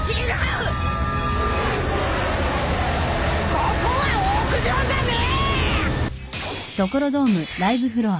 ここは屋上じゃねえ！